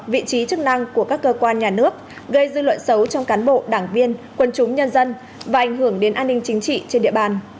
vị trí chức năng của các cơ quan nhà nước gây dư luận xấu trong cán bộ đảng viên quân chúng nhân dân và ảnh hưởng đến an ninh chính trị trên địa bàn